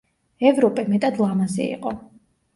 ევროპე მეტად ლამაზი იყო.